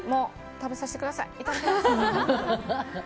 食べさせてください。